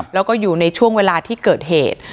แล้วก็อยู่ในช่วงเวลาที่เกิดเหตุ